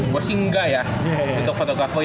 gua sih engga ya untuk fotografer